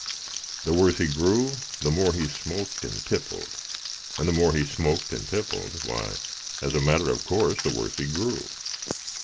The worse he grew the more he smoked and tippled; and the more he smoked and tippled, why, as a matter of course, the worse he grew.